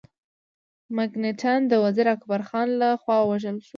مکناټن د وزیر اکبر خان له خوا ووژل سو.